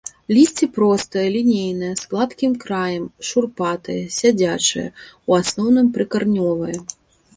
Лісце простае, лінейнае, з гладкім краем, шурпатае, сядзячае, у асноўным прыкаранёвае.